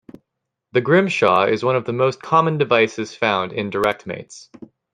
The Grimshaw is one of the most common devices found in directmates.